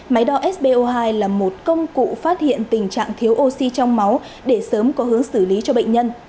máy đo sbo hai là một công cụ phát hiện tình trạng thiếu oxy trong máu để sớm có hướng xử lý cho bệnh nhân